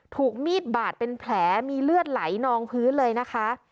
ถูกมีดบาดเป็นแผลมีเลือดไหลนองพื้นเลยนะคะ